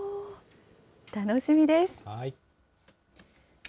楽しみです。